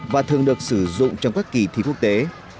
và thường được sử dụng trong các kỳ thi quốc tế